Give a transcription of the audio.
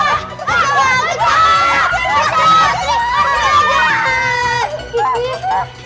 kecoh kecoh kecoh